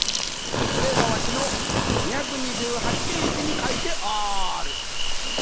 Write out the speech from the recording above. それはわしの２２８ページにかいてある。